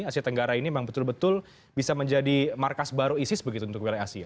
asia tenggara ini memang betul betul bisa menjadi markas baru isis begitu untuk wilayah asia